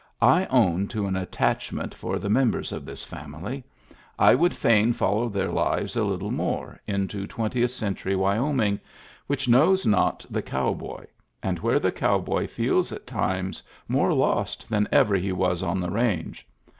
I own to an attach ment for the members of this family; I would fain follow their lives a little more, into twentieth century Wyoming, which knows not the cow boy, and where the cow boy feels at times more lost than ever he was on the range.